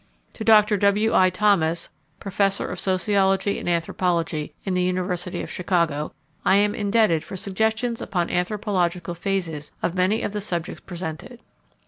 To Dr. W. I. Thomas, professor of sociology and anthropology in the University of Chicago, I am indebted for suggestions upon anthropological phases of many of the subjects presented.